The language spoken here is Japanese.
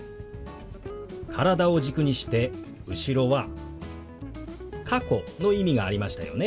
体を軸にして後ろは「過去」の意味がありましたよね。